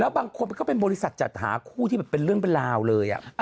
บางคนก็เป็นบริษัทจัดหาคู่ที่แบบเป็นเรื่องเป็นราวเลย